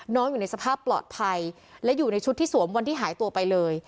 อยู่ในสภาพปลอดภัยและอยู่ในชุดที่สวมวันที่หายตัวไปเลย